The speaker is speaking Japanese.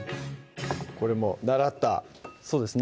これも習ったそうですね